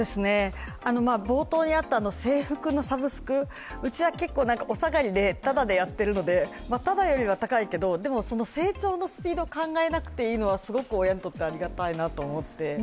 冒頭にあった制服のサブスク、うちはお下がりでタダでやってるのでタダよりは高いけどでも、成長のスピードを考えなくていいというのはすごく親にとってありがたいと思って。